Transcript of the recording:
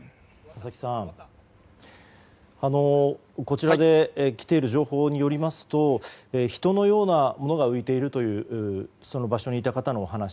佐々木さん、こちらで来ている情報によりますと人のようなものが浮いているというその場所にいた方のお話。